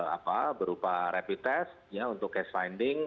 apa berupa rapid test ya untuk case finding